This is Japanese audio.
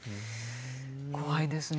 怖いですね。